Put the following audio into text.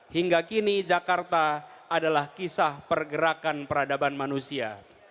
hingga kini jakarta adalah kisah pergerakan peradaban manusia